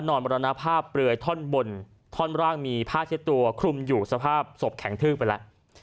มรณภาพเปลือยท่อนบนท่อนร่างมีผ้าเช็ดตัวคลุมอยู่สภาพศพแข็งทืบไปแล้ว